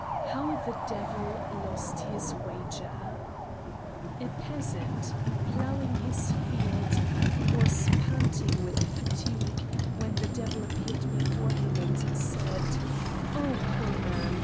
HOW THE DEVIL LOST HIS WAGER A peasant, ploughing his field, was panting with fatigue, when the devil appeared before him and said: "Oh, poor man!